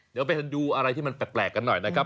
เดี๋ยวไปดูอะไรที่มันแปลกกันหน่อยนะครับ